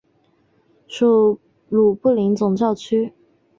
属卢布林总教区。